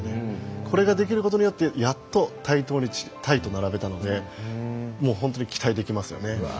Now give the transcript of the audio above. これができることによってやっと対等にタイと並べたのでもう本当に期待できますよね。